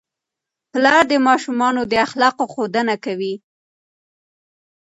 پلار د ماشومانو د اخلاقو ښودنه کوي.